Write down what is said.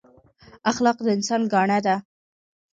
اخلاق د انسان ګاڼه ده